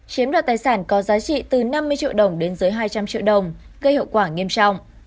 chiếm đoạt tài sản có giá trị từ năm mươi triệu đồng đến dưới hai trăm linh triệu đồng gây hiệu quả nghiêm trọng